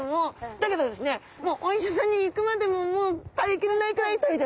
だけどですねお医者さんに行くまでももう耐えきれないくらい痛いです。